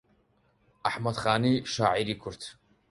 ئەحمەدی خانی شاعیری کورد